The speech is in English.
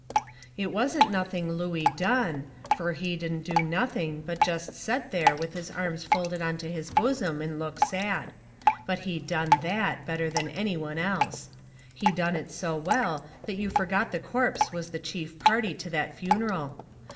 It wasn't nothing Looey done, fur he didn't do nothing but jest set there with his arms folded onto his bosom and look sad. But he done THAT better than any one else. He done it so well that you forgot the corpse was the chief party to that funeral.